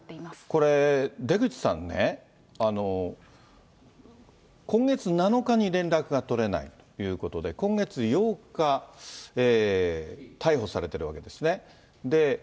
これ、出口さんね、今月７日に連絡が取れないということで、今月８日、逮捕されているわけですね。